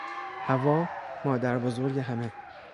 حوا، مادر بزرگ همه